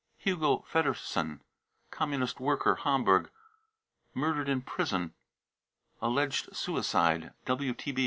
hugo feddersen, Communist worker, Hamburg, murdered in prison, alleged suicide.